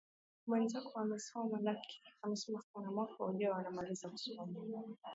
Mwenzako amesoma sana, mwaka ujao anamaliza kusoma.